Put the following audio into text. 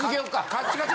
カッチカチ。